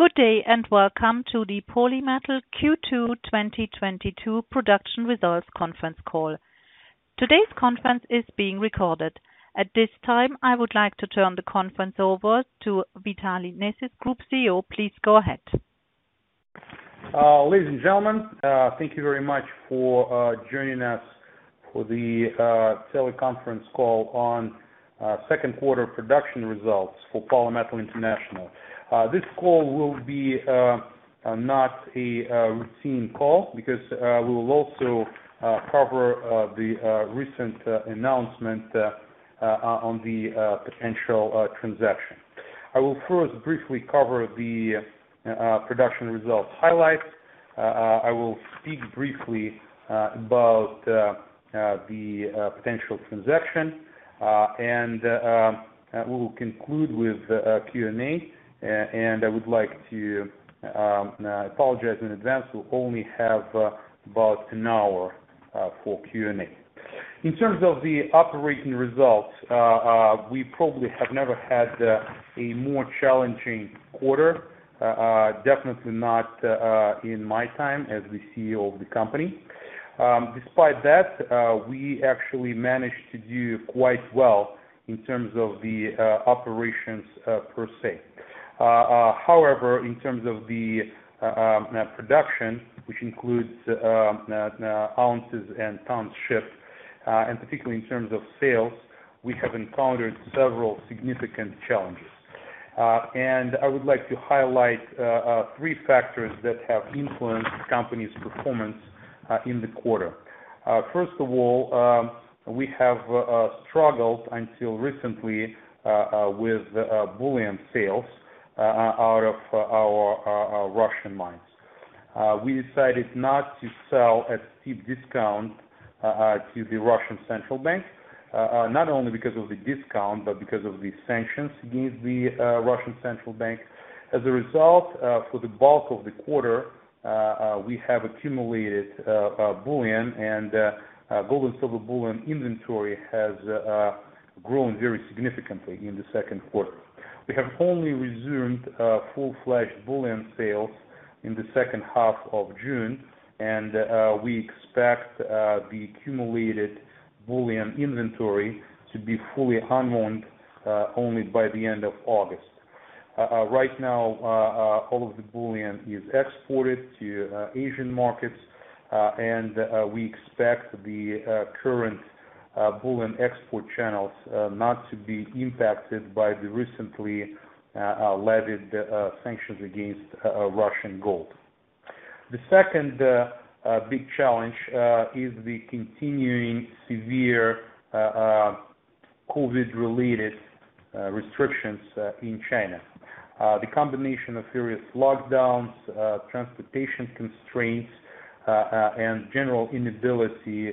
Good day, and welcome to the Polymetal Q2 2022 Production Results Conference Call. Today's conference is being recorded. At this time, I would like to turn the conference over to Vitaly Nesis, Group CEO. Please go ahead. Ladies and gentlemen, thank you very much for joining us for the teleconference call on second quarter production results for Polymetal International. This call will be not a routine call because we will also cover the recent announcement on the potential transaction. I will first briefly cover the production results highlights. I will speak briefly about the potential transaction. We'll conclude with Q&A. I would like to apologize in advance. We'll only have about an hour for Q&A. In terms of the operating results, we probably have never had a more challenging quarter, definitely not, in my time as the CEO of the company. Despite that, we actually managed to do quite well in terms of the operations per se. However, in terms of the production, which includes ounces and tonnage, and particularly in terms of sales, we have encountered several significant challenges. I would like to highlight three factors that have influenced the company's performance in the quarter. First of all, we have struggled until recently with bullion sales out of our Russian mines. We decided not to sell at steep discount to the Russian Central Bank, not only because of the discount but because of the sanctions against the Russian Central Bank. As a result, for the bulk of the quarter, we have accumulated gold and silver bullion inventory has grown very significantly in the second quarter. We have only resumed full-fledged bullion sales in the second half of June, and we expect the accumulated bullion inventory to be fully unwind only by the end of August. Right now, all of the bullion is exported to Asian markets, and we expect the current bullion export channels not to be impacted by the recently levied sanctions against Russian gold. The second big challenge is the continuing severe COVID-related restrictions in China. The combination of various lockdowns, transportation constraints, and general inability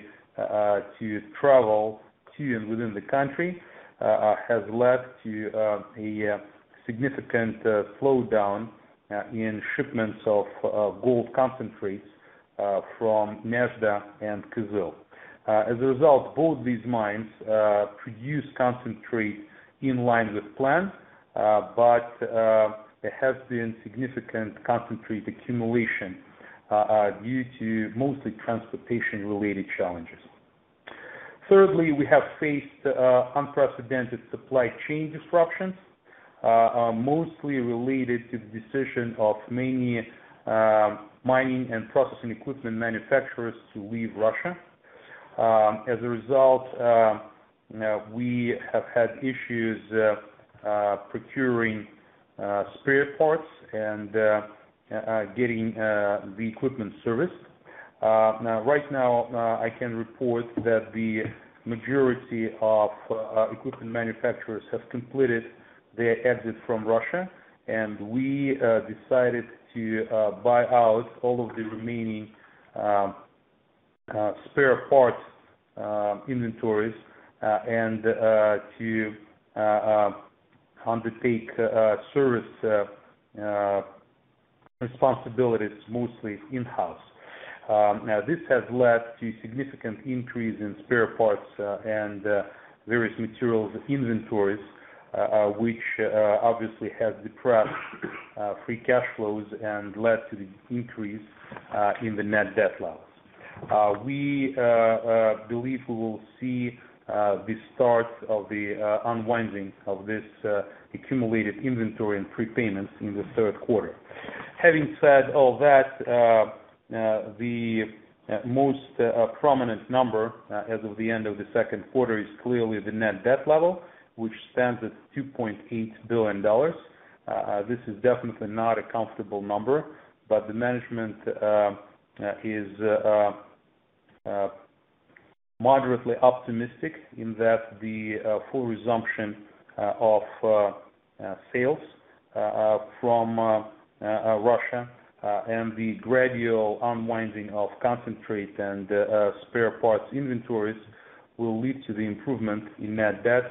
to travel to and within the country has led to a significant slowdown in shipments of gold concentrates from Nezhda and Kyzyl. As a result, both these mines produce concentrate in line with plan, but there has been significant concentrate accumulation due to mostly transportation-related challenges. Thirdly, we have faced unprecedented supply chain disruptions mostly related to the decision of many mining and processing equipment manufacturers to leave Russia. As a result, we have had issues procuring spare parts and getting the equipment serviced. Now, right now, I can report that the majority of equipment manufacturers have completed their exit from Russia, and we decided to buy out all of the remaining spare parts inventories and to undertake service responsibilities mostly in-house. Now, this has led to significant increase in spare parts and various materials inventories, which obviously has depressed free cash flows and led to the increase in the net debt levels. We believe we will see the start of the unwinding of this accumulated inventory and prepayments in the third quarter. Having said all that, the most prominent number as of the end of the second quarter is clearly the net debt level, which stands at $2.8 billion. This is definitely not a comfortable number, but the management is moderately optimistic in that the full resumption of sales from Russia and the gradual unwinding of concentrate and spare parts inventories will lead to the improvement in net debt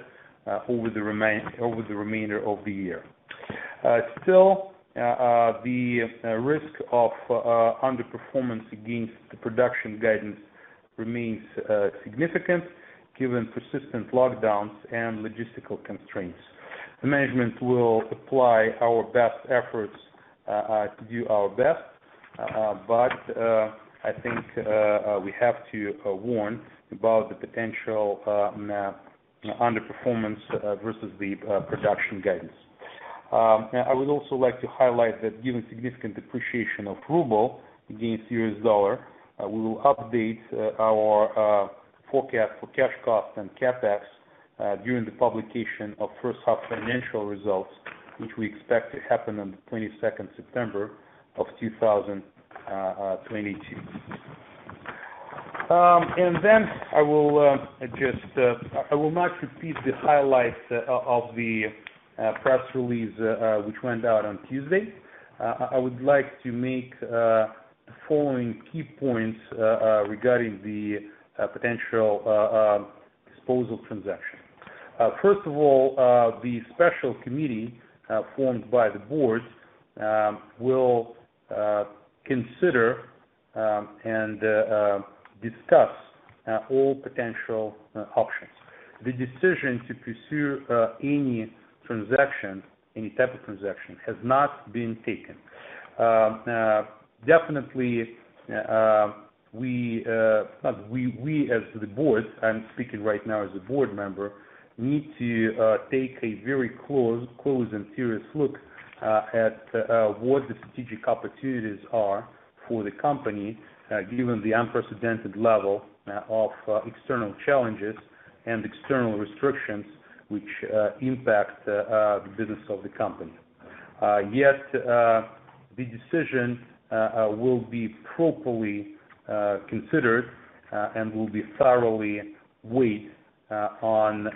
over the remainder of the year. Still, the risk of underperformance against the production guidance remains significant given persistent lockdowns and logistical constraints. The management will apply our best efforts to do our best. I think we have to warn about the potential underperformance versus the production guidance. I would also like to highlight that given significant depreciation of ruble against U.S. dollar, we will update our forecast for cash costs and CapEx during the publication of first half financial results, which we expect to happen on the twenty-second of September 2022. I will not repeat the highlights of the press release which went out on Tuesday. I would like to make the following key points regarding the potential disposal transaction. First of all, the special committee formed by the board will consider and discuss all potential options. The decision to pursue any transaction, any type of transaction has not been taken. Definitely, we as the board, I'm speaking right now as a board member, need to take a very close and serious look at what the strategic opportunities are for the company, given the unprecedented level of external challenges and external restrictions which impact the business of the company. Yet, the decision will be properly considered and will be thoroughly weighed on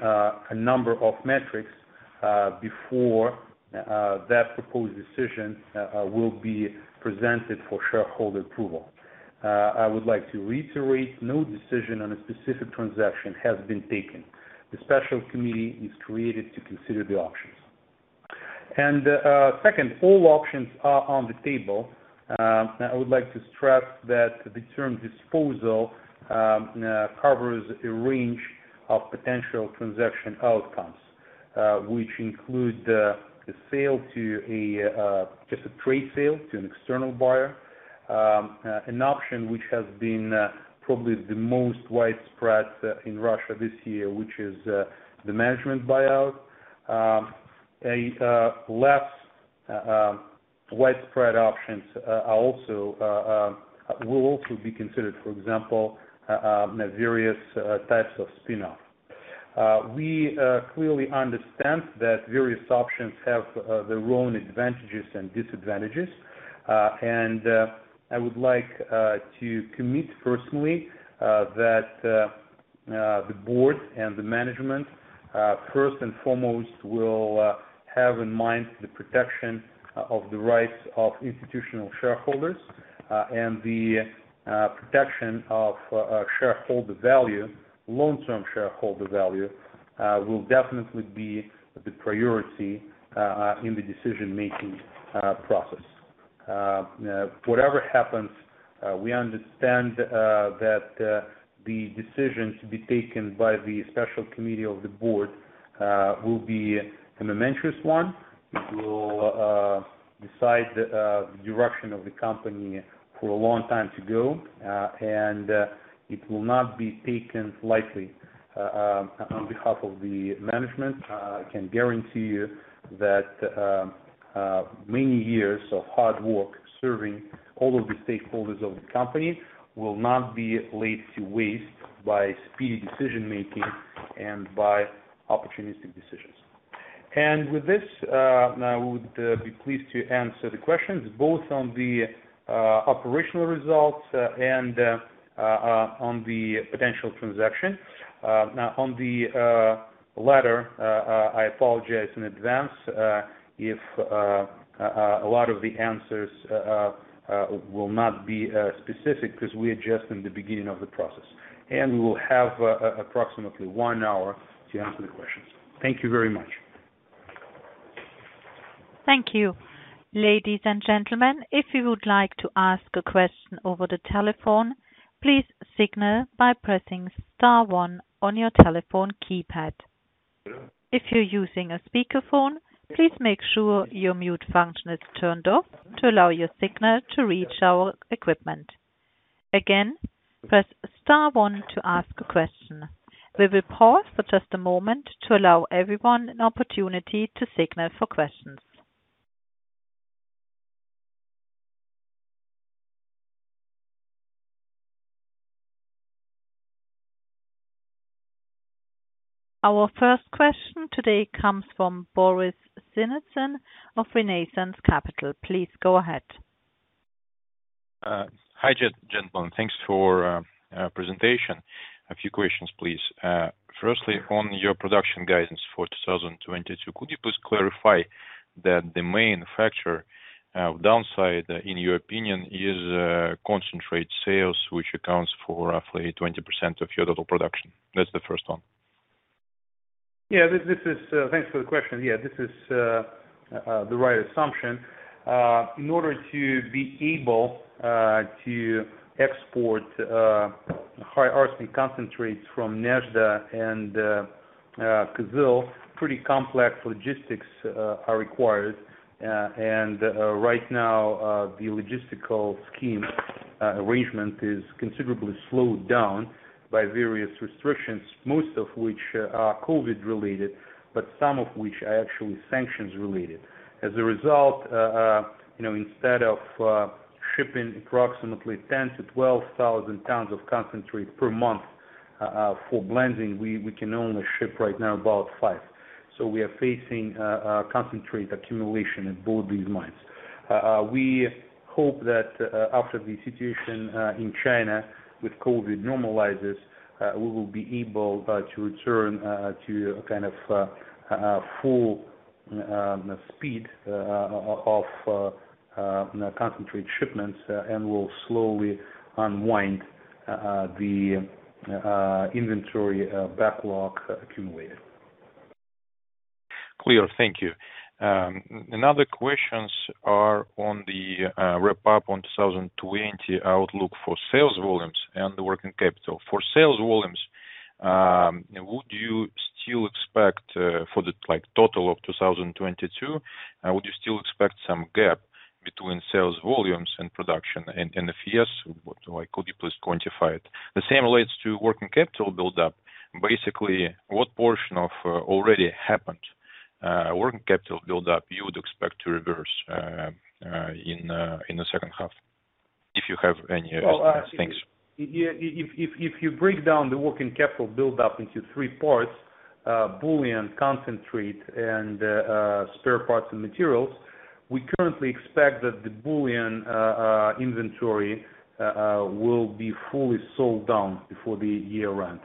a number of metrics before that proposed decision will be presented for shareholder approval. I would like to reiterate, no decision on a specific transaction has been taken. The special committee is created to consider the options. Second, all options are on the table. I would like to stress that the term disposal covers a range of potential transaction outcomes, which include the sale to a just a trade sale to an external buyer, an option which has been probably the most widespread in Russia this year, which is the management buyout. A less widespread options will also be considered, for example, the various types of spin-off. We clearly understand that various options have their own advantages and disadvantages. I would like to commit personally that the board and the management first and foremost will have in mind the protection of the rights of institutional shareholders and the protection of shareholder value. Long-term shareholder value will definitely be the priority in the decision-making process. Whatever happens, we understand that the decision to be taken by the special committee of the board will be a momentous one. It will decide the direction of the company for a long time to go, and it will not be taken lightly. On behalf of the management, I can guarantee you that many years of hard work serving all of the stakeholders of the company will not be laid to waste by speedy decision-making and by opportunistic decisions. With this, now I would be pleased to answer the questions, both on the operational results and on the potential transaction. Now on the latter, I apologize in advance if a lot of the answers will not be specific because we're just in the beginning of the process. We will have approximately one hour to answer the questions. Thank you very much. Thank you. Ladies and gentlemen, if you would like to ask a question over the telephone, please signal by pressing star one on your telephone keypad. If you're using a speakerphone, please make sure your mute function is turned off to allow your signal to reach our equipment. Again, press star one to ask a question. We will pause for just a moment to allow everyone an opportunity to signal for questions. Our first question today comes from Boris Sinitsyn of Renaissance Capital. Please go ahead. Hi, gentlemen. Thanks for presentation. A few questions, please. Firstly, on your production guidance for 2022, could you please clarify that the main factor of downside in your opinion is concentrate sales which accounts for roughly 20% of your total production? That's the first one. Yeah, this is. Thanks for the question. Yeah, this is the right assumption. In order to be able to export high arsenic concentrates from Nezhda and Kyzyl, pretty complex logistics are required. Right now, the logistical scheme arrangement is considerably slowed down by various restrictions, most of which are COVID-related, but some of which are actually sanctions-related. As a result, you know, instead of shipping approximately 10,000-12,000 tons of concentrate per month for blending, we can only ship right now about 5,000. We are facing concentrate accumulation at both these mines. We hope that after the situation in China with COVID normalizes, we will be able to return to a kind of full speed of concentrate shipments and will slowly unwind the inventory backlog accumulated. Clear. Thank you. Another questions are on the wrap up on 2020 outlook for sales volumes and the working capital. For sales volumes, would you still expect for the like total of 2022, would you still expect some gap between sales volumes and production? And if yes, what like could you please quantify it? The same relates to working capital build up. Basically, what portion of already happened working capital build up you would expect to reverse in the second half, if you have any ideas? Thanks. Well, yeah, if you break down the working capital build up into three parts, bullion, concentrate, and spare parts and materials, we currently expect that the bullion inventory will be fully sold down before the year end.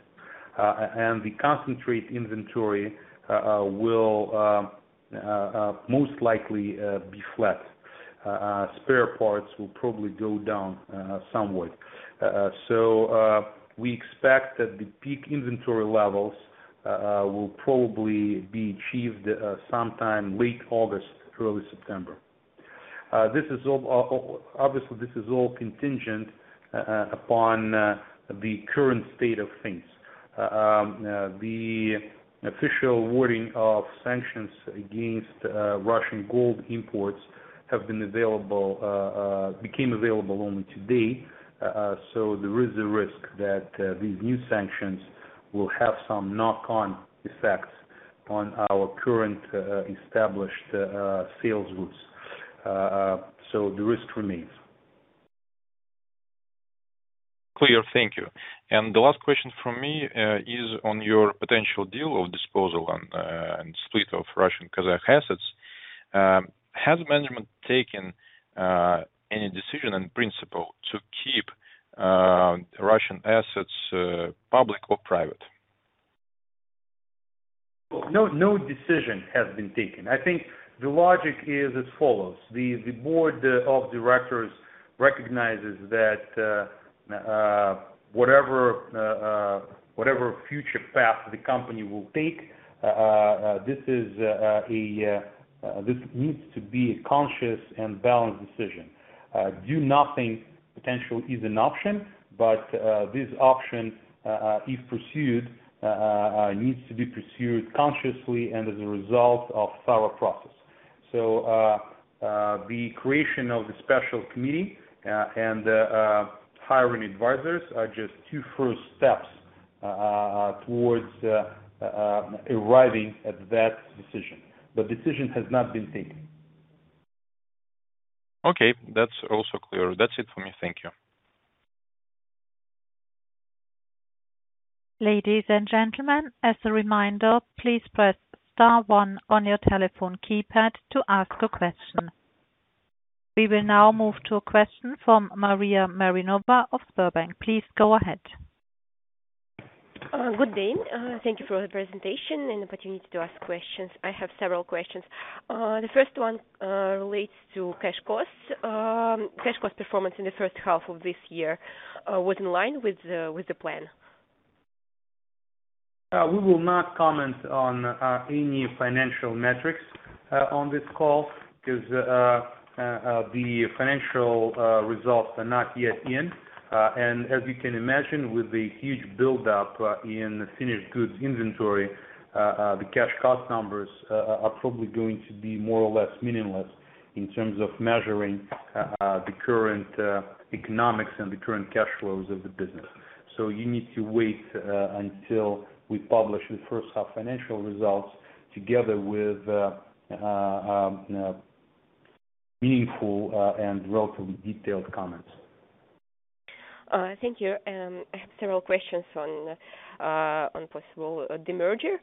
The concentrate inventory will most likely be flat. Spare parts will probably go down somewhat. We expect that the peak inventory levels will probably be achieved sometime late August, early September. This is all obviously contingent upon the current state of things. The official wording of sanctions against Russian gold imports became available only today. There is a risk that these new sanctions will have some knock-on effects on our current established sales routes. The risk remains. Clear. Thank you. The last question from me is on your potential deal of disposal and split of Russian Kazakh assets. Has management taken any decision in principle to keep Russian assets public or private? No decision has been taken. I think the logic is as follows. The board of directors recognizes that whatever future path the company will take, this needs to be a conscious and balanced decision. Do nothing potential is an option, but this option, if pursued, needs to be pursued consciously and as a result of thorough process. The creation of the special committee and hiring advisors are just two first steps towards arriving at that decision. The decision has not been taken. Okay. That's also clear. That's it for me. Thank you. Ladies and gentlemen, as a reminder, please press star one on your telephone keypad to ask a question. We will now move to a question from Maria Marinova of Sberbank. Please go ahead. Good then. Thank you for the presentation and opportunity to ask questions. I have several questions. The first one related to cash costs, Cash cost performance in the first half of this year was in line with the plan. We will not comment on any financial metrics on this call because the financial results are not yet in. As you can imagine, with the huge buildup in finished goods inventory, the cash cost numbers are probably going to be more or less meaningless in terms of measuring the current economics and the current cash flows of the business. You need to wait until we publish the first half financial results together with meaningful and relatively detailed comments. Thank you. I have several questions on possible demerger.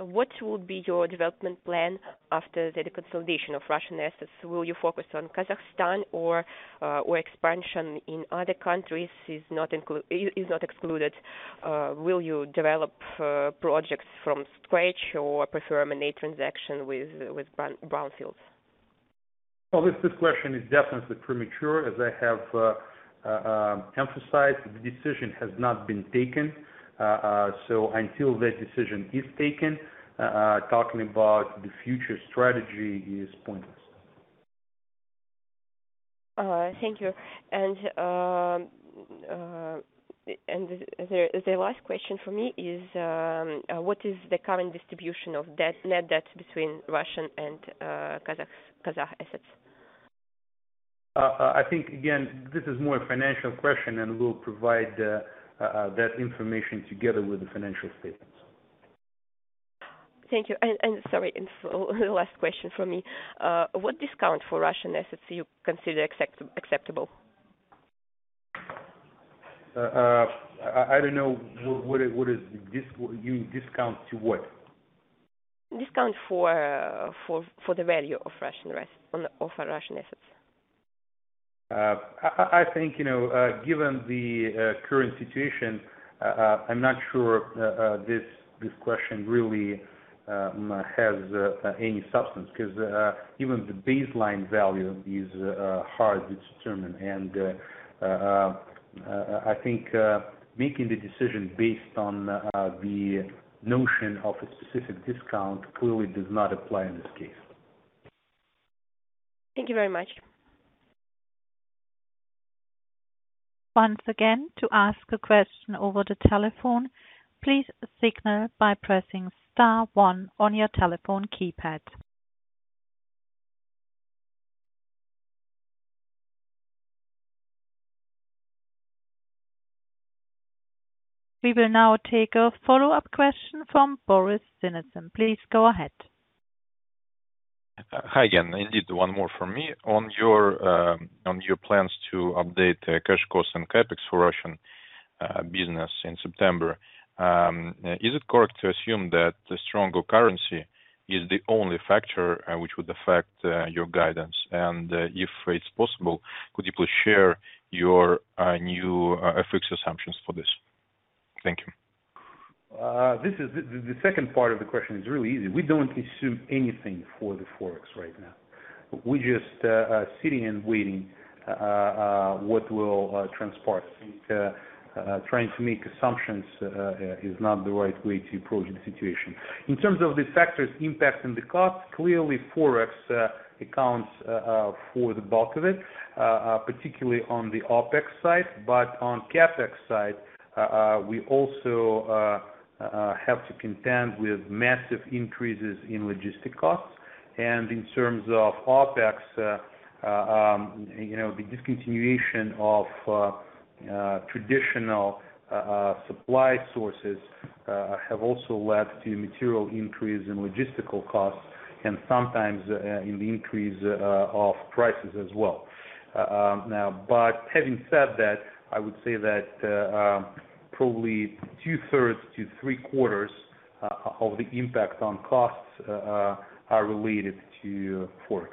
What will be your development plan after the consolidation of Russian assets? Will you focus on Kazakhstan or expansion in other countries is not excluded? Will you develop projects from scratch or prefer M&A transaction with brownfields? Well, this question is definitely premature, as I have emphasized, the decision has not been taken. Until that decision is taken, talking about the future strategy is pointless. Thank you. The last question for me is what is the current distribution of net debt between Russian and Kazakh assets? I think again, this is more a financial question, and we'll provide that information together with the financial statements. Thank you. Sorry. The last question from me. What discount for Russian assets you consider acceptable? I don't know what is this. You discount to what? Discount for the value of Russian assets. I think, you know, given the current situation, I'm not sure this question really has any substance, 'cause even the baseline value is hard to determine. I think making the decision based on the notion of a specific discount clearly does not apply in this case. Thank you very much. Once again, to ask a question over the telephone, please signal by pressing star one on your telephone keypad. We will now take a follow-up question from Boris Sinitsyn. Please go ahead. Hi again. Indeed, one more from me. On your plans to update cash costs and CapEx for Russian business in September, is it correct to assume that the stronger currency is the only factor which would affect your guidance? If it's possible, could you please share your new FX assumptions for this? Thank you. This is the second part of the question is really easy. We don't assume anything for the Forex right now. We just are sitting and waiting what will transpire. Trying to make assumptions is not the right way to approach the situation. In terms of the factors impacting the cost, clearly Forex accounts for the bulk of it, particularly on the OpEx side. But on CapEx side, we also have to contend with massive increases in logistic costs. In terms of OpEx, you know, the discontinuation of traditional supply sources have also led to material increase in logistical costs and sometimes an increase of prices as well. Now, having said that, I would say that probably two-thirds to three-quarters of the impact on costs are related to forex.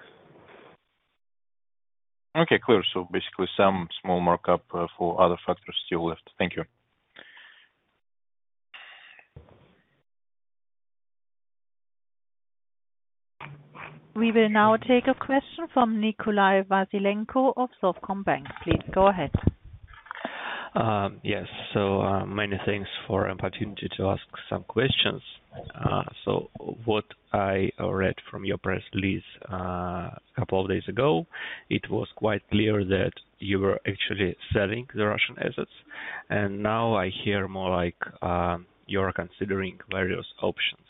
Okay, clear. Basically some small markup, for other factors still left. Thank you. We will now take a question from Nikolai Vasilenko of Sovcombank. Please go ahead. Yes. Many thanks for an opportunity to ask some questions. What I read from your press release, a couple of days ago, it was quite clear that you were actually selling the Russian assets. Now I hear more like, you are considering various options.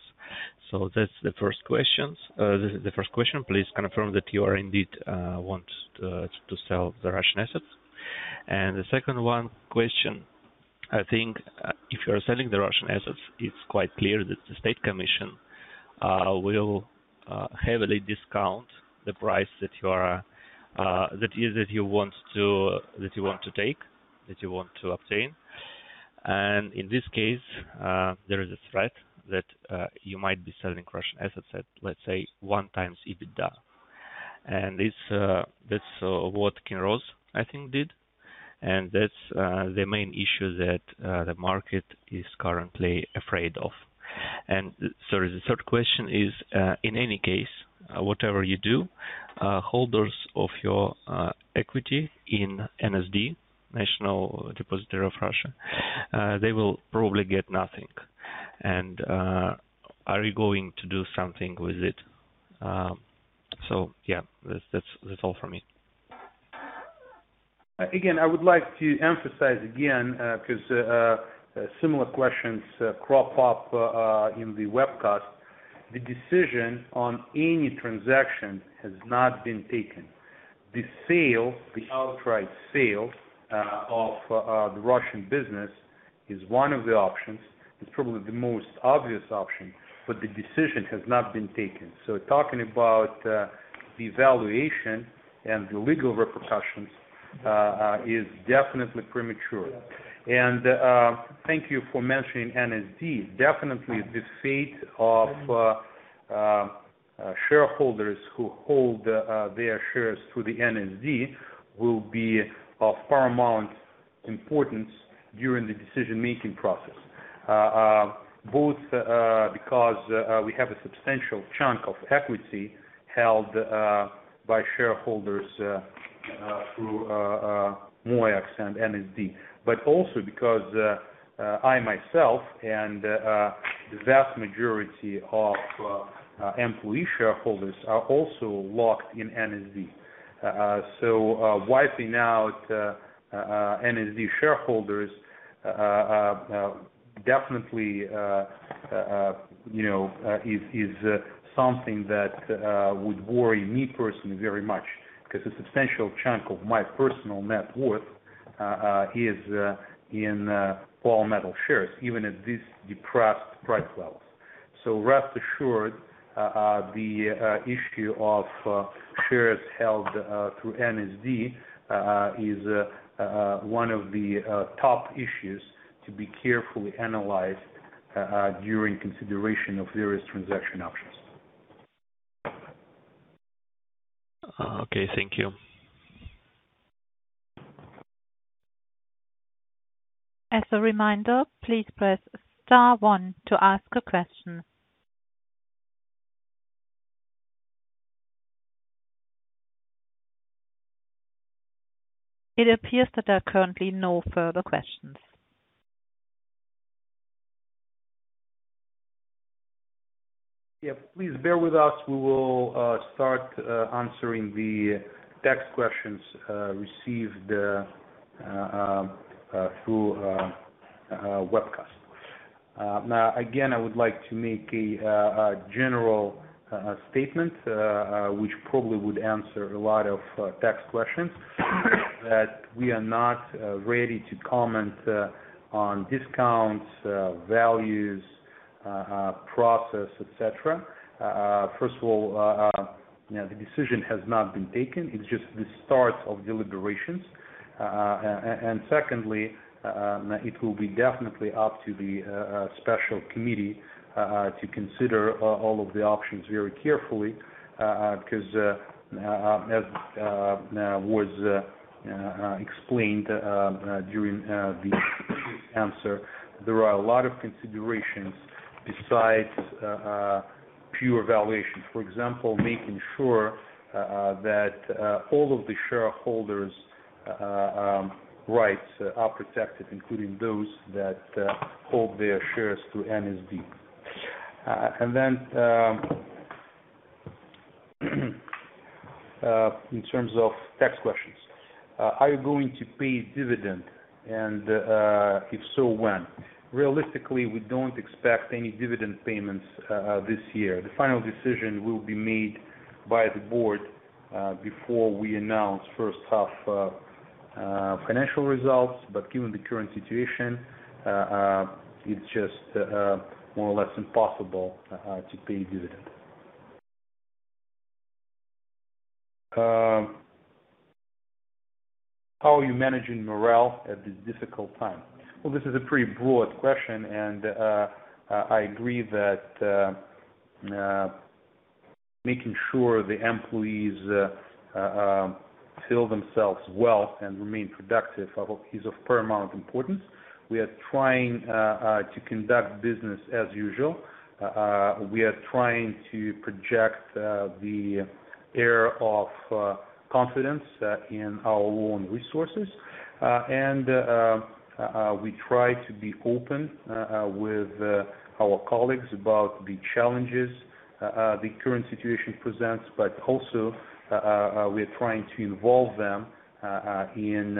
That's the first questions. This is the first question. Please confirm that you are indeed want to sell the Russian assets. The second one question, I think, if you are selling the Russian assets, it's quite clear that the state commission will heavily discount the price that you want to obtain. In this case, there is a threat that you might be selling Russian assets at, let's say, 1x EBITDA. This, that's what Kinross, I think, did. That's the main issue that the market is currently afraid of. Sorry, the third question is, in any case, whatever you do, holders of your equity in NSD, National Settlement Depository of Russia, they will probably get nothing. Are you going to do something with it? Yeah, that's all for me. Again, I would like to emphasize again, 'cause similar questions crop up in the webcast. The decision on any transaction has not been taken. The sale, the outright sale, of the Russian business is one of the options. It's probably the most obvious option, but the decision has not been taken. Talking about the valuation and the legal repercussions is definitely premature. Thank you for mentioning NSD. Definitely the fate of shareholders who hold their shares through the NSD will be of paramount importance during the decision-making process. Both because we have a substantial chunk of equity held by shareholders through MOEX and NSD, but also because I myself and the vast majority of employee shareholders are also locked in NSD. So wiping out NSD shareholders definitely you know is something that would worry me personally very much, 'cause a substantial chunk of my personal net worth is in Polymetal shares, even at this depressed price levels. Rest assured, the issue of shares held through NSD is one of the top issues to be carefully analyzed during consideration of various transaction options. Okay. Thank you. As a reminder, please press star one to ask a question. It appears that there are currently no further questions. Yeah, please bear with us. We will start answering the text questions received through webcast. Now, again, I would like to make a general statement which probably would answer a lot of text questions. That we are not ready to comment on discounts, values, process, et cetera. First of all, you know, the decision has not been taken. It's just the start of deliberations. Secondly, it will be definitely up to the special committee to consider all of the options very carefully, 'cause as was explained during the answer, there are a lot of considerations besides pure valuation. For example, making sure that all of the shareholders' rights are protected, including those that hold their shares through NSD. In terms of text questions. Are you going to pay dividend, and if so, when? Realistically, we don't expect any dividend payments this year. The final decision will be made by the board before we announce first half financial results. Given the current situation, it's just more or less impossible to pay dividend. How are you managing morale at this difficult time? Well, this is a pretty broad question, and I agree that making sure the employees feel themselves well and remain productive, is of paramount importance. We are trying to conduct business as usual. We are trying to project the air of confidence in our own resources. We try to be open with our colleagues about the challenges the current situation presents, but also, we're trying to involve them in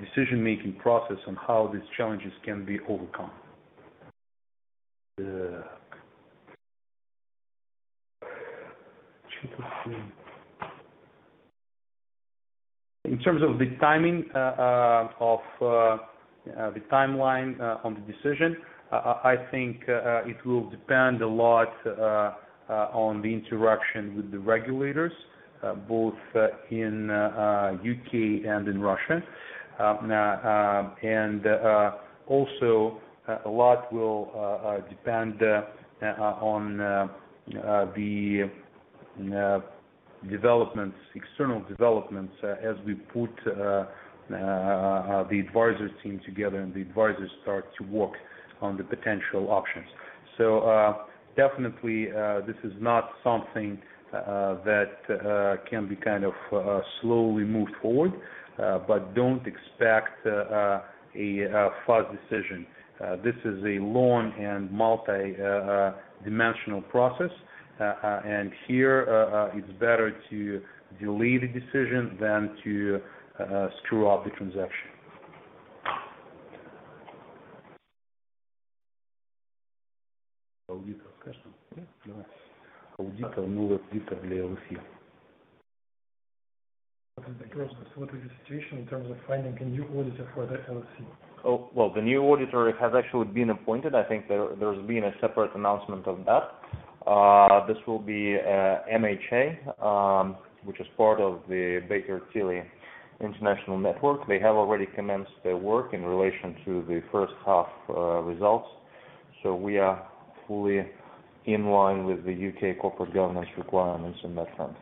decision-making process on how these challenges can be overcome. In terms of the timing of the timeline on the decision, I think it will depend a lot on the interaction with the regulators both in U.K. and in Russia. Also a lot will depend on the external developments as we put the advisor team together and the advisors start to work on the potential options. Definitely, this is not something that can be kind of slowly moved forward, but don't expect a fast decision. This is a long and multi-dimensional process, and here it's better to delay the decision than to screw up the transaction. What is the current situation in terms of finding a new auditor for the LLC? Well, the new auditor has actually been appointed. I think there's been a separate announcement of that. This will be MHA, which is part of the Baker Tilly International network. They have already commenced their work in relation to the first half results. We are fully in line with the U.K. corporate governance requirements in that sense.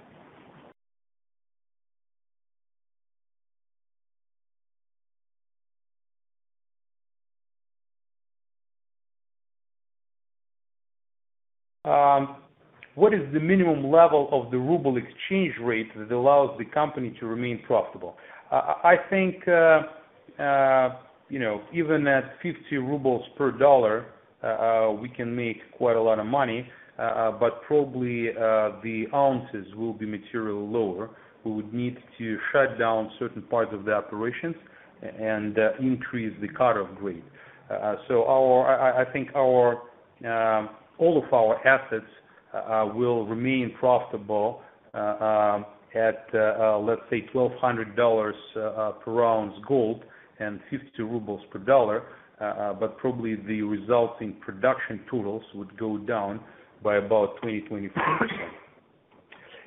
What is the minimum level of the ruble exchange rate that allows the company to remain profitable? I think, you know, even at 50 rubles per dollar, we can make quite a lot of money, but probably, the ounces will be materially lower. We would need to shut down certain parts of the operations and increase the cut-off grade. So our. I think our all of our assets will remain profitable at let's say $1,200 per ounce gold and 50 rubles per dollar, but probably the resulting production totals would go down by about 24%.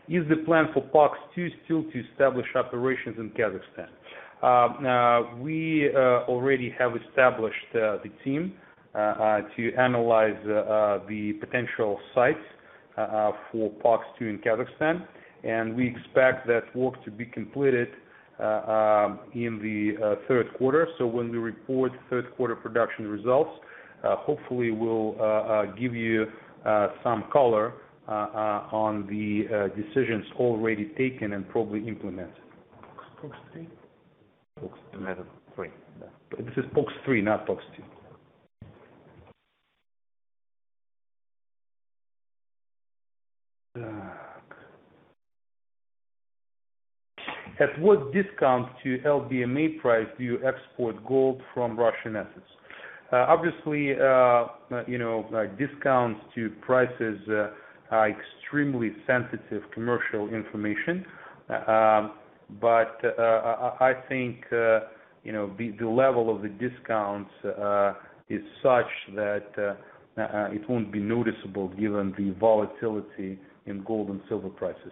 Is the plan for POX-2 still to establish operations in Kazakhstan? We already have established the team to analyze the potential sites for POX-2 in Kazakhstan, and we expect that work to be completed in the third quarter. When we report third quarter production results, hopefully we'll give you some color on the decisions already taken and probably implemented. POX-3? POX-3. This is POX-3, not POX-2. At what discount to LBMA price do you export gold from Russian assets? Obviously, you know, like discounts to prices are extremely sensitive commercial information. But I think, you know, the level of the discounts is such that it won't be noticeable given the volatility in gold and silver prices.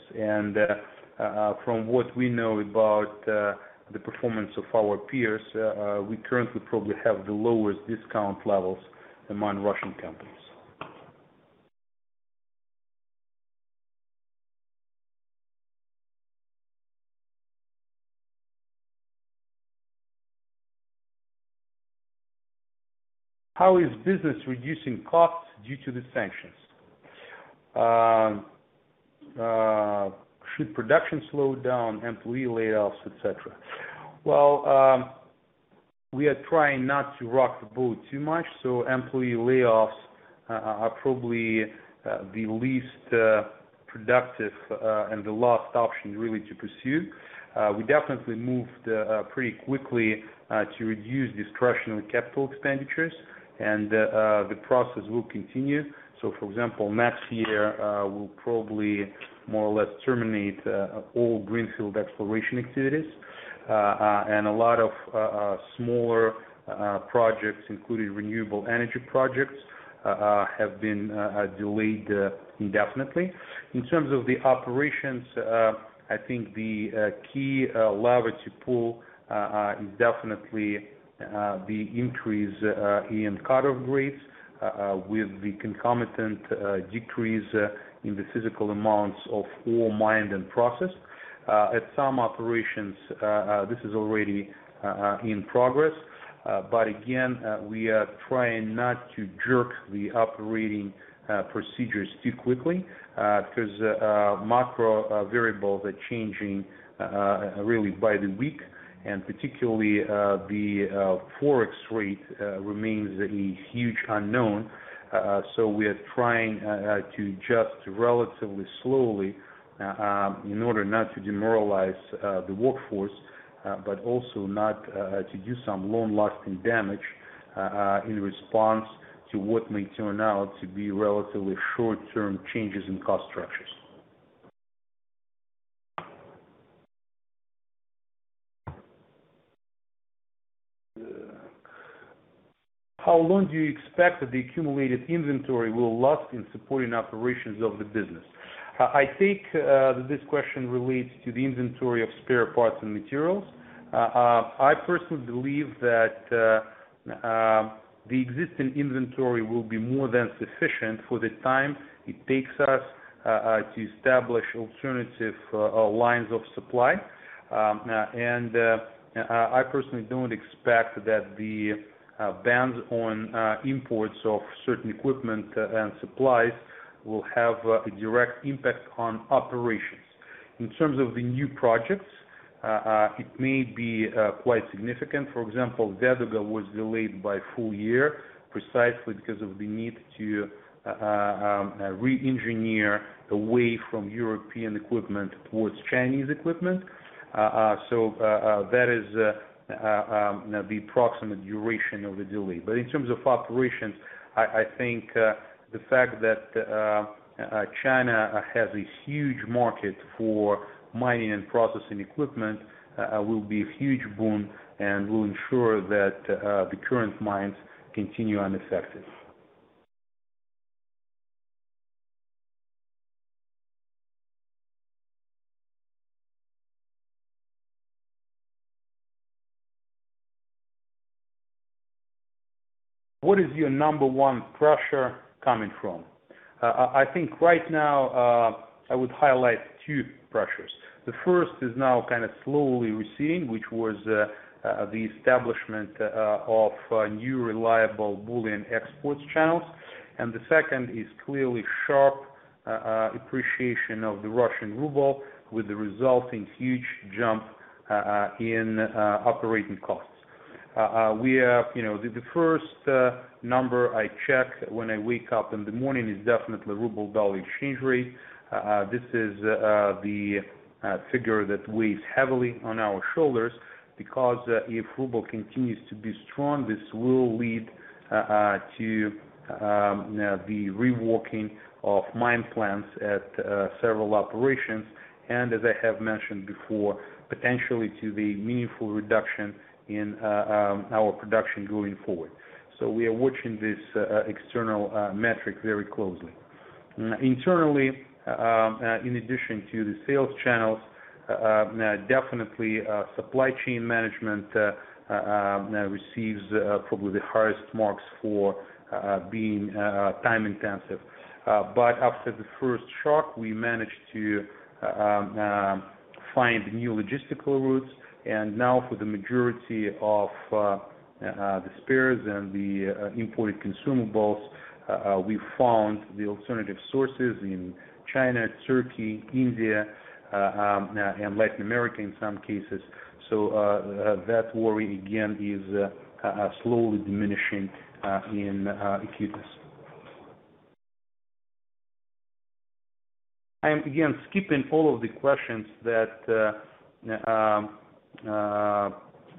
From what we know about the performance of our peers, we currently probably have the lowest discount levels among Russian companies. How is business reducing costs due to the sanctions? Should production slow down employee layoffs, et cetera? We are trying not to rock the boat too much, so employee layoffs are probably the least productive and the last option really to pursue. We definitely moved pretty quickly to reduce discretionary capital expenditures, and the process will continue. For example, next year, we'll probably more or less terminate all greenfield exploration activities, and a lot of smaller projects, including renewable energy projects, have been delayed indefinitely. In terms of the operations, I think the key lever to pull is definitely the increase in cut-off grades with the concomitant decrease in the physical amounts of ore mined and processed. At some operations, this is already in progress, but again, we are trying not to jerk the operating procedures too quickly, 'cause macro variables are changing really by the week, and particularly, the Forex rate remains a huge unknown. We are trying to adjust relatively slowly in order not to demoralize the workforce, but also not to do some long-lasting damage in response to what may turn out to be relatively short-term changes in cost structures. How long do you expect that the accumulated inventory will last in supporting operations of the business? I think that this question relates to the inventory of spare parts and materials. I personally believe that the existing inventory will be more than sufficient for the time it takes us to establish alternative lines of supply. I personally don't expect that the bans on imports of certain equipment and supplies will have a direct impact on operations. In terms of the new projects, it may be quite significant. For example, Veduga was delayed by a full year precisely because of the need to re-engineer away from European equipment towards Chinese equipment. The approximate duration of the delay. In terms of operations, I think the fact that China has a huge market for mining and processing equipment will be a huge boon and will ensure that the current mines continue unaffected. What is your number one pressure coming from? I would highlight two pressures. The first is now kind of slowly receding, which was the establishment of new reliable bullion exports channels. The second is clearly sharp appreciation of the Russian ruble with the resulting huge jump in operating costs. You know, the first number I check when I wake up in the morning is definitely ruble-dollar exchange rate. This is the figure that weighs heavily on our shoulders because if ruble continues to be strong, this will lead to the reworking of mine plans at several operations, and as I have mentioned before, potentially to the meaningful reduction in our production going forward. We are watching this external metric very closely. Internally, in addition to the sales channels, definitely supply chain management receives probably the highest marks for being time-intensive. After the first shock, we managed to find new logistical routes, and now for the majority of the spares and the imported consumables, we found the alternative sources in China, Turkey, India, and Latin America in some cases. That worry again is slowly diminishing in acuteness. I am again skipping all of the questions that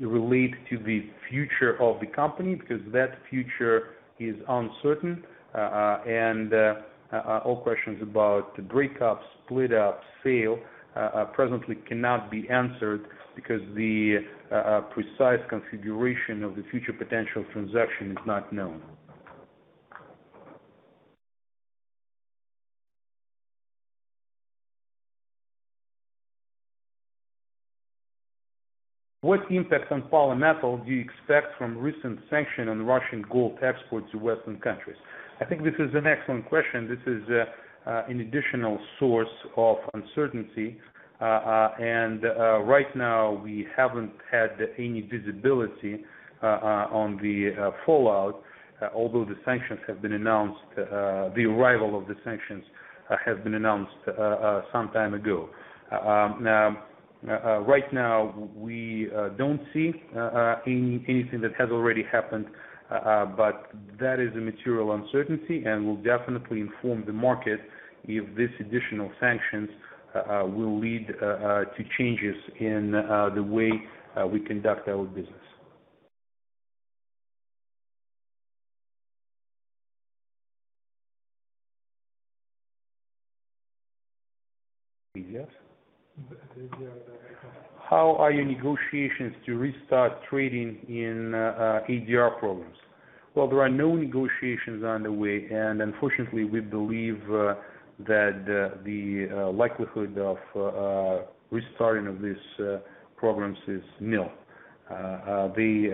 relate to the future of the company because that future is uncertain. All questions about the breakup, split up, sale presently cannot be answered because the precise configuration of the future potential transaction is not known. What impact on Polymetal do you expect from recent sanction on Russian gold export to Western countries? I think this is an excellent question. This is an additional source of uncertainty. Right now we haven't had any visibility on the fallout although the sanctions have been announced, the arrival of the sanctions have been announced some time ago. Right now we don't see anything that has already happened, but that is a material uncertainty, and we'll definitely inform the market if this additional sanctions will lead to changes in the way we conduct our business. ADRs? The ADR. How are your negotiations to restart trading in ADR programs? Well, there are no negotiations on the way, and unfortunately, we believe that the likelihood of restarting of this programs is nil. They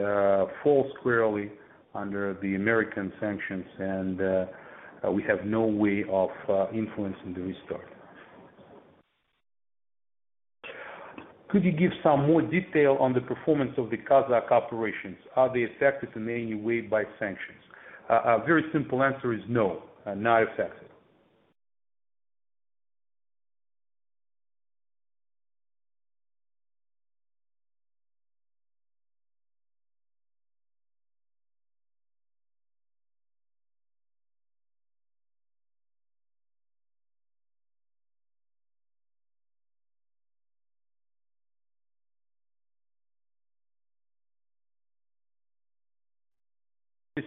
fall squarely under the American sanctions and we have no way of influencing the restart. Could you give some more detail on the performance of the Kazakh operations? Are they affected in any way by sanctions? Very simple answer is no, not affected.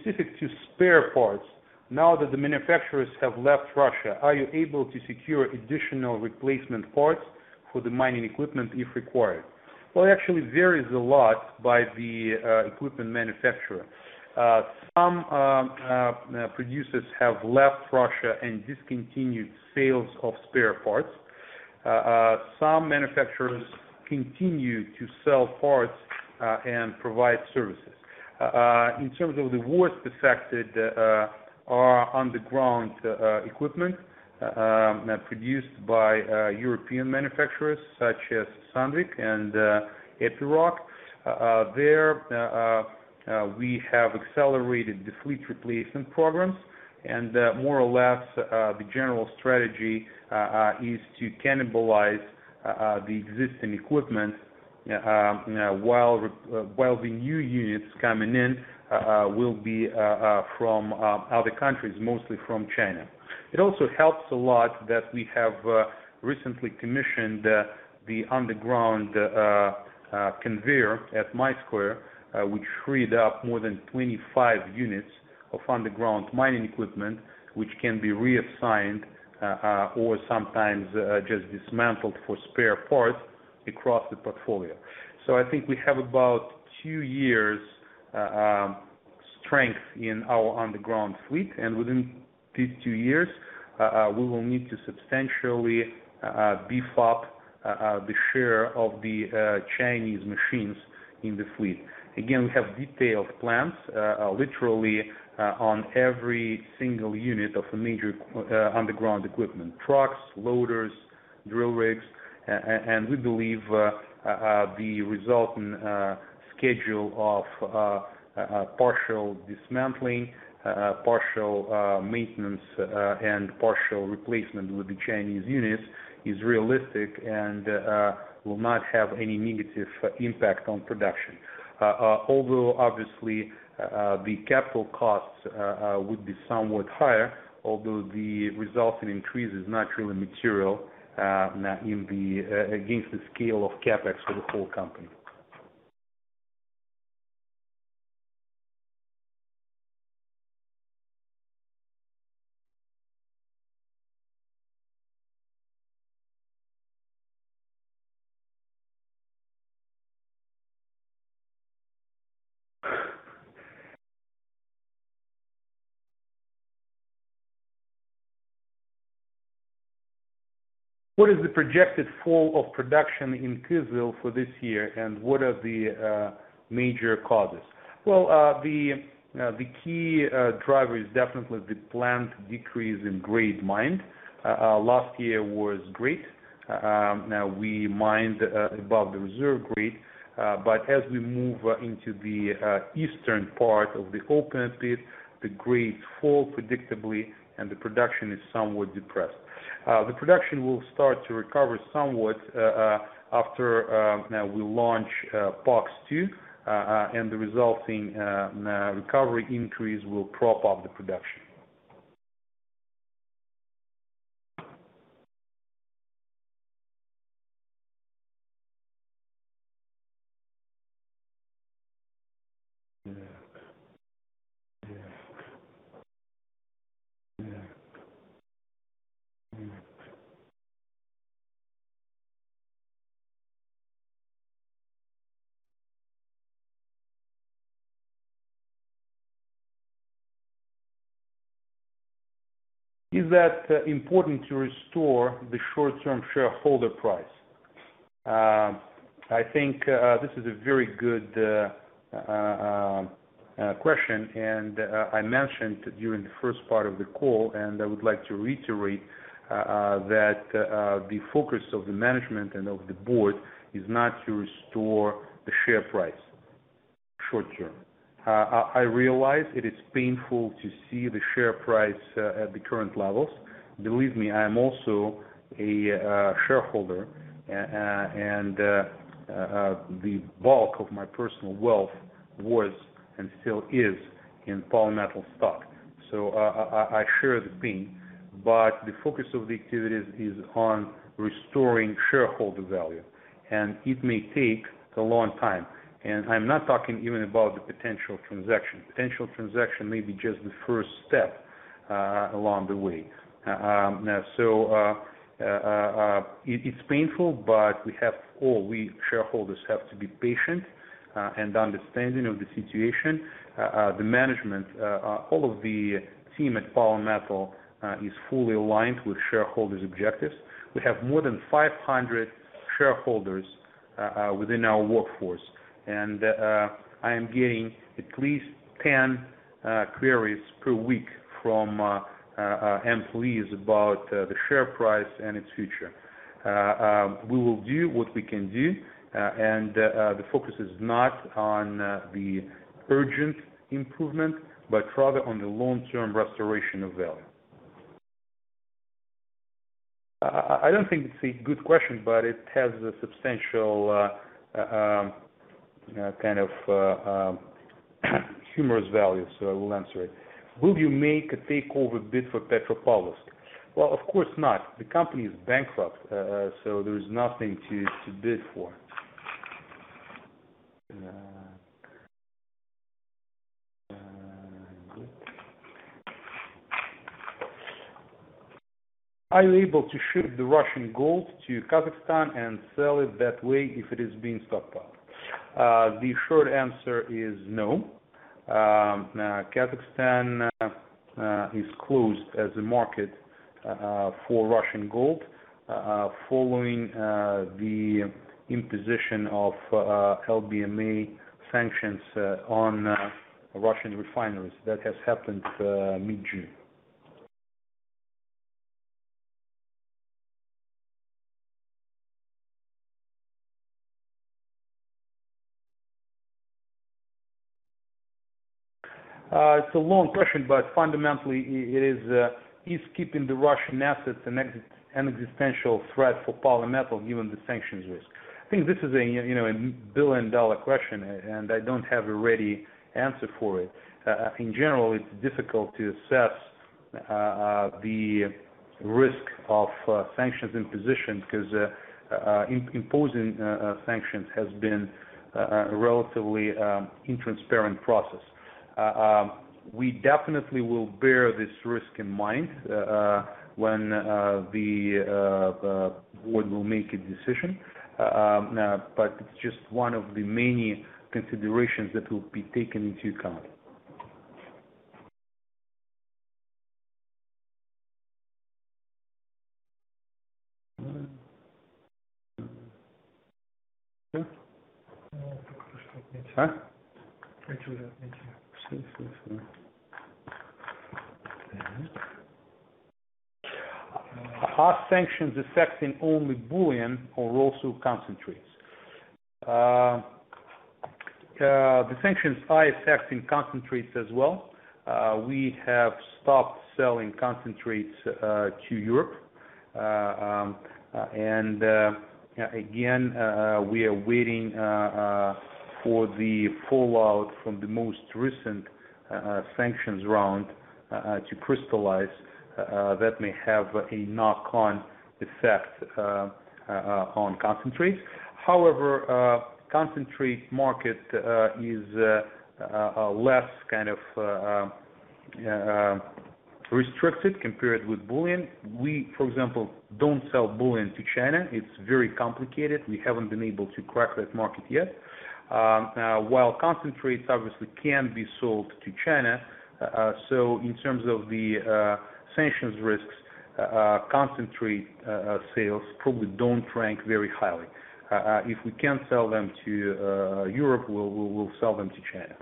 Specific to spare parts, now that the manufacturers have left Russia, are you able to secure additional replacement parts for the mining equipment if required? Well, it actually varies a lot by the equipment manufacturer. Some producers have left Russia and discontinued sales of spare parts. Some manufacturers continue to sell parts and provide services. In terms of the worst affected, are underground equipment produced by European manufacturers such as Sandvik and Epiroc. There we have accelerated the fleet replacement programs, and more or less the general strategy is to cannibalize the existing equipment while the new units coming in will be from other countries, mostly from China. It also helps a lot that we have recently commissioned the underground conveyor at Mayskoye, which freed up more than 25 units of underground mining equipment, which can be reassigned or sometimes just dismantled for spare parts across the portfolio. I think we have about two years' strength in our underground fleet, and within these two years, we will need to substantially beef up the share of the Chinese machines in the fleet. Again, we have detailed plans, literally, on every single unit of major underground equipment, trucks, loaders, drill rigs. We believe the resulting schedule of partial dismantling, partial maintenance, and partial replacement with the Chinese units is realistic and will not have any negative impact on production. Although obviously the capital costs would be somewhat higher, although the resulting increase is not really material against the scale of CapEx for the whole company. What is the projected fall of production in Kyzyl for this year, and what are the major causes? Well, the key driver is definitely the planned decrease in grade mined. Last year was great. Now we mined above the reserve grade, but as we move into the eastern part of the open pit, the grades fall predictably and the production is somewhat depressed. The production will start to recover somewhat after we launch POX-2 and the resulting recovery increase will prop up the production. Is that important to restore the short-term share price? I think this is a very good question, and I mentioned during the first part of the call, and I would like to reiterate that the focus of the management and of the board is not to restore the share price short-term. I realize it is painful to see the share price at the current levels. Believe me, I am also a shareholder, and the bulk of my personal wealth was, and still is, in Polymetal stock. I share the pain, but the focus of the activities is on restoring shareholder value, and it may take a long time. I'm not talking even about the potential transaction. Potential transaction may be just the first step along the way. It's painful, but we, all we shareholders have to be patient and understanding of the situation. The management all of the team at Polymetal is fully aligned with shareholders' objectives. We have more than 500 shareholders within our workforce, and I am getting at least 10 queries per week from employees about the share price and its future. We will do what we can do, and the focus is not on the urgent improvement, but rather on the long-term restoration of value. I don't think it's a good question, but it has a substantial kind of humorous value, so I will answer it. Will you make a takeover bid for Petropavlovsk? Well, of course not. The company is bankrupt, so there is nothing to bid for. Are you able to ship the Russian gold to Kazakhstan and sell it that way if it is being stockpiled? The short answer is no. Kazakhstan is closed as a market for Russian gold following the imposition of LBMA sanctions on Russian refineries. That has happened mid-June. It's a long question, but fundamentally, it is keeping the Russian assets an existential threat for Polymetal given the sanctions risk? I think this is, you know, a billion-dollar question, and I don't have a ready answer for it. In general, it's difficult to assess the risk of sanctions imposition because imposing sanctions has been relatively intransparent process. We definitely will bear this risk in mind when the board will make a decision. It's just one of the many considerations that will be taken into account. Are sanctions affecting only bullion or also concentrates? The sanctions are affecting concentrates as well. We have stopped selling concentrates to Europe. Again, we are waiting for the fallout from the most recent sanctions round to crystallize, that may have a knock-on effect on concentrates. However, concentrate market is a less kind of restricted compared with bullion. We, for example, don't sell bullion to China. It's very complicated. We haven't been able to crack that market yet. While concentrates obviously can be sold to China. In terms of the sanctions risks, concentrate sales probably don't rank very high. If we can't sell them to Europe, we'll sell them to China.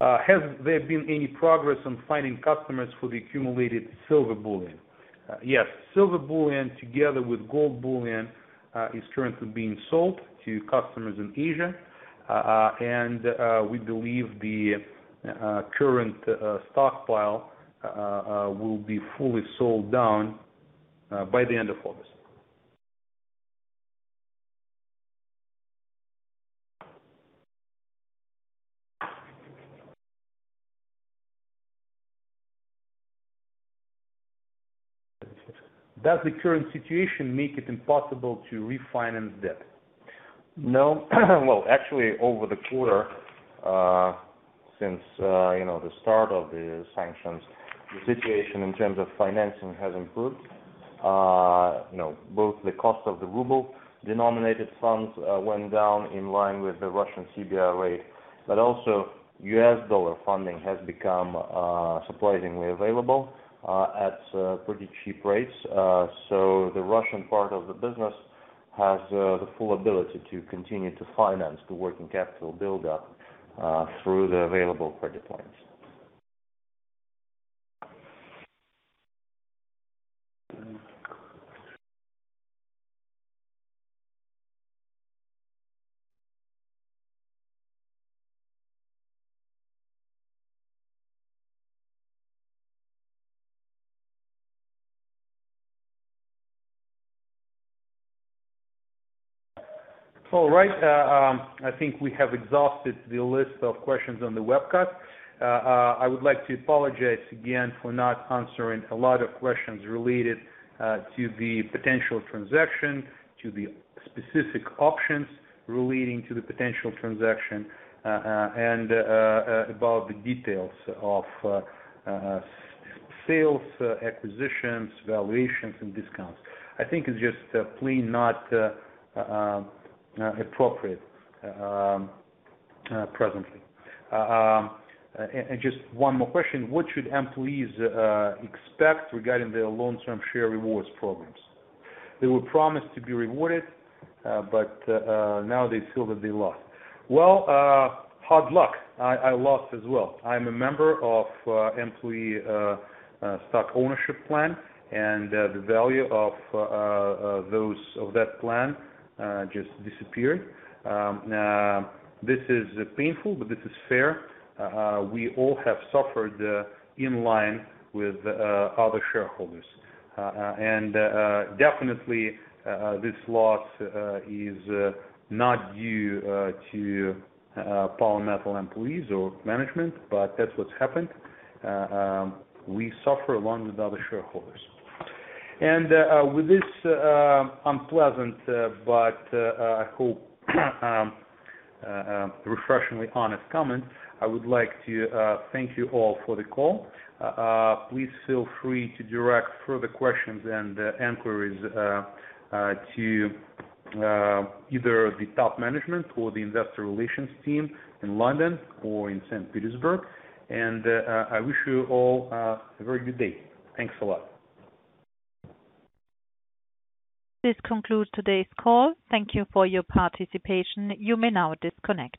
Has there been any progress on finding customers for the accumulated silver bullion? Yes. Silver bullion, together with gold bullion, is currently being sold to customers in Asia. We believe the current stockpile will be fully sold down by the end of August. Does the current situation make it impossible to refinance debt? No. Well, actually, over the quarter, since you know, the start of the sanctions, the situation in terms of financing has improved. You know, both the cost of the ruble-denominated funds went down in line with the Russian CBR rate, but also U.S. dollar funding has become surprisingly available at pretty cheap rates. So the Russian part of the business has the full ability to continue to finance the working capital buildup through the available credit lines. All right. I think we have exhausted the list of questions on the webcast. I would like to apologize again for not answering a lot of questions related to the potential transaction, to the specific options relating to the potential transaction, and about the details of sales, acquisitions, valuations, and discounts. I think it's just plain not appropriate presently. Just one more question. What should employees expect regarding their long-term share rewards programs? They were promised to be rewarded, but now they feel that they lost. Well, hard luck. I lost as well. I'm a member of employee stock ownership plan, and the value of that plan just disappeared. This is painful, but this is fair. We all have suffered in line with other shareholders. Definitely this loss is not due to Polymetal employees or management, but that's what's happened. We suffer along with other shareholders. With this unpleasant, but I hope refreshingly honest, comment, I would like to thank you all for the call. Please feel free to direct further questions and inquiries to either the top management or the investor relations team in London or in Saint Petersburg. I wish you all a very good day. Thanks a lot. This concludes today's call. Thank you for your participation. You may now disconnect.